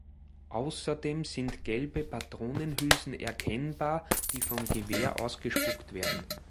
Außerdem sind gelbe Patronenhülsen erkennbar, die vom Gewehr ausgespuckt werden.